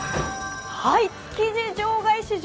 築地場外市場